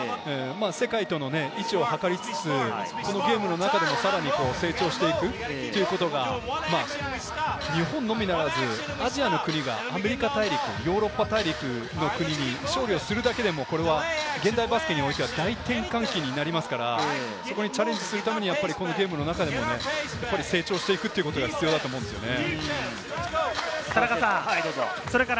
世界との位置をはかりつつ、このゲームの中でもさらに成長していくということが日本のみならず、アジアの国がアメリカ大陸、ヨーロッパ大陸の国に勝利するだけでも、これは現代バスケにおいては大転換期になりますから、そこにチャレンジするためにこのゲームの中でもやはり成長していくことが必要だと思うんですよね。